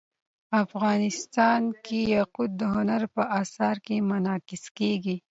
افغانستان کې یاقوت د هنر په اثار کې منعکس کېږي.